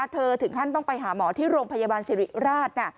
ถึงขั้นต้องไปหาหมอที่โรงพยาบาลสิริราชนะ